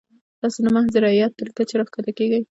تاسو د محض رعیت تر کچې راښکته کیږئ.